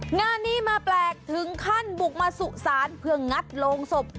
งานนี้มาแปลกถึงขั้นบุกมาสุสานเพื่องัดโรงศพ